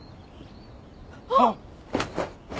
あっ！